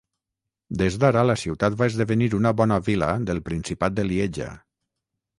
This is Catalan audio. Des d'ara, la ciutat va esdevenir una bona vila del principat de Lieja.